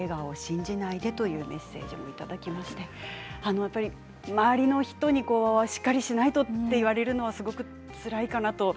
やっぱり周りの人にしっかりしないとと言われるのはすごくつらいかなと。